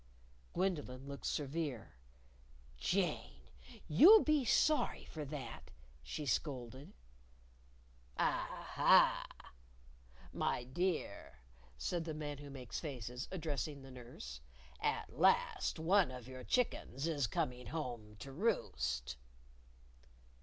Gwendolyn looked severe. "Jane, you'll be sorry for that," she scolded. "Ah ha! my dear!" said the Man Who Makes Faces, addressing the nurse, "at last one of your chickens is coming home to roost!"